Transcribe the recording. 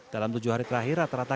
dalam tujuh hari terakhir rata rata